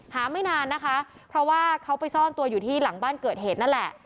ไม่นานนะคะเพราะว่าเขาไปซ่อนตัวอยู่ที่หลังบ้านเกิดเหตุนั่นแหละ